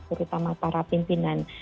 terutama para pimpinan